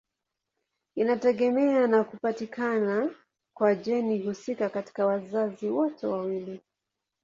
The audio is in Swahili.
Inategemea na kupatikana kwa jeni husika katika wazazi wote wawili.